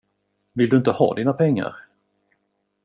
Vill du inte ha dina pengar?